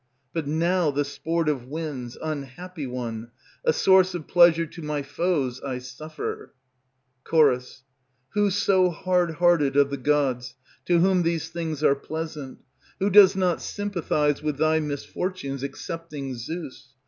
But now the sport of winds, unhappy one, A source of pleasure to my foes, I suffer. Ch. Who so hard hearted Of the gods, to whom these things are pleasant? Who does not sympathize with thy Misfortunes, excepting Zeus?